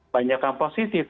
banyak yang positif